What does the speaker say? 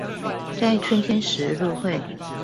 在春天時入會